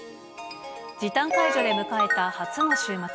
時短解除で迎えた初の週末。